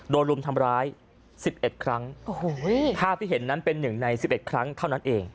รุมทำร้าย๑๑ครั้งโอ้โหภาพที่เห็นนั้นเป็นหนึ่งใน๑๑ครั้งเท่านั้นเอง